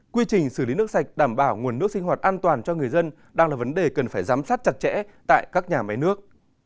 quy trình xử lý nước sạch đảm bảo nguồn nước sinh hoạt an toàn cho người dân đang là vấn đề cần phải giám sát chặt chẽ tại các nhà máy nước